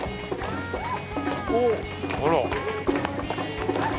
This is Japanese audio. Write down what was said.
おっあら。